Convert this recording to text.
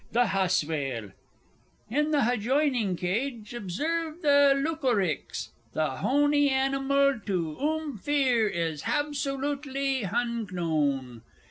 _) The Haswail. In the hajoinin' cage observe the Loocorricks, the hony hanimal to oom fear is habsolootly hunknown.